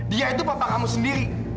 dia itu bapak kamu sendiri